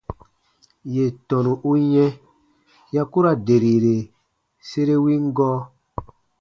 Yè tɔnu u yɛ̃ ya ku ra derire sere win gɔɔ.